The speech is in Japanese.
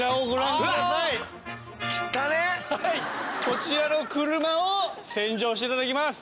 こちらの車を洗浄して頂きます。